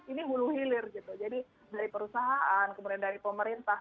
ini hulu hilir gitu jadi dari perusahaan kemudian dari pemerintah